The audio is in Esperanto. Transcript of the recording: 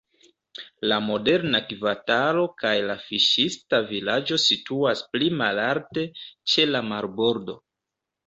La moderna kvartalo kaj la fiŝista vilaĝo situas pli malalte, ĉe la marbordo.